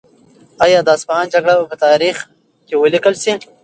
آیا د اصفهان جګړه به د نړۍ په تاریخ کې ولیکل شي؟